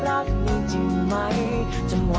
อ้าว